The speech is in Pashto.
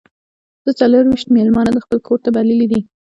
زه څلور ویشت میلمانه د خپل کور ته بللي دي.